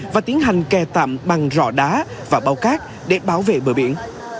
và tiến hành kè tạm bằng rõ đá và bau cát để bảo vệ bờ biển